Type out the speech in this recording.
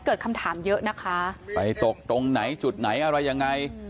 เกิดคำถามเยอะนะคะไปตกตรงไหนจุดไหนอะไรยังไง